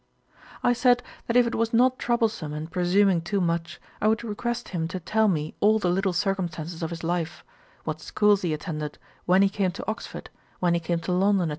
I said, that if it was not troublesome and presuming too much, I would request him to tell me all the little circumstances of his life; what schools he attended, when he came to Oxford, when he came to London, &c.